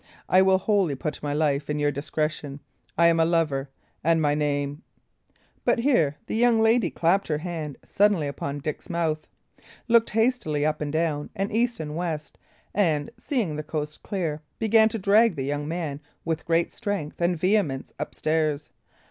I will wholly put my life in your discretion. I am a lover, and my name " But here the young lady clapped her hand suddenly upon Dick's mouth, looked hastily up and down and east and west, and, seeing the coast clear, began to drag the young man, with great strength and vehemence, up stairs.